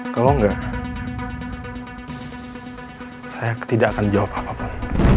kalau enggak saya tidak akan jawab apapun